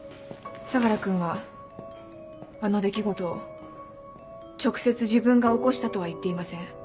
相楽君はあの出来事を直接自分が起こしたとは言っていません。